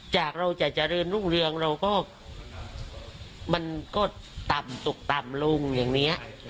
จากเราจะเจริญรุ่งเรืองเราก็มันก็ต่ำตกต่ำลงอย่างนี้